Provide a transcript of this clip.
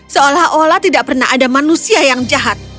seolah olah tidak pernah ada manusia yang jahat